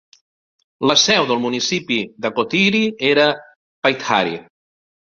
La seu del municipi d'Akrotiri era Pythari.